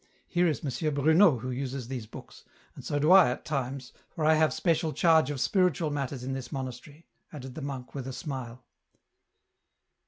Here is M. Bruno, who uses these books ; so do I at times, for I have special charge of spiritual matters in this monastery," added the monk with a smile.